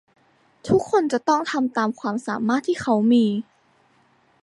ทุกคนจะต้องทำตามความสามารถที่เขามี